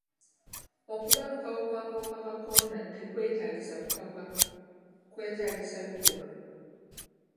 Okubalukawo kw'akawuka ka kolona tekwetaagisa kupapa, kwetaagisa bikolwa.